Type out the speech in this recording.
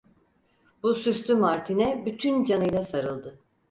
Bu süslü martine bütün canıyla sarıldı.